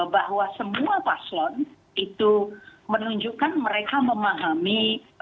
bahwa semua paslon itu menunjukkan mereka memahami